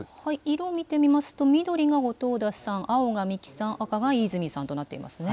色見てみますと、緑が後藤田さん、青が三木さん、赤が飯泉さんとなっていますね。